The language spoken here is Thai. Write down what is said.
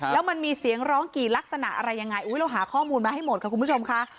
แล้วมันมีเสียงร้องกี่ลักษณะอะไรยังไงเราหาข้อมูลมาให้หมดค่ะคุณผู้ชมค่ะ